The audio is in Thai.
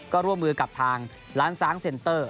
ก็ร่วมมือกับทางร้านซ้างเซ็นเตอร์